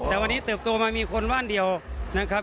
แต่วันนี้เติบโตมามีคนบ้านเดียวนะครับ